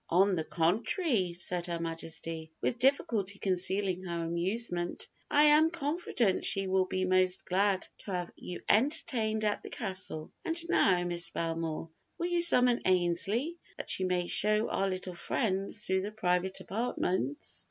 "On the contrary," said Her Majesty, with difficulty concealing her amusement, "I am confident she will be most glad to have you entertained at the castle; and now, Miss Belmore, will you summon Ainslee, that she may show our little friends through the private apartments?"